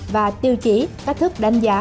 và tiêu chí cách thức đánh giá